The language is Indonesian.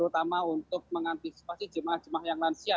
utama untuk mengantisipasi jemaah jemaah yang lansia